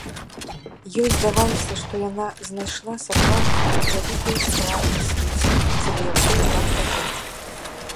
Ёй здавалася, што яна знайшла сапраўдную вялікую справу на свеце, дзеля якой варта жыць.